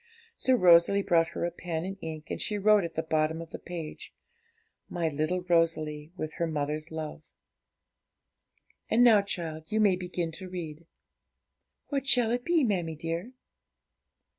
So Rosalie brought her a pen and ink, and she wrote at the bottom of the page 'My little Rosalie, with her mother's love.' 'And now, child, you may begin to read.' 'What shall it be, mammie dear?'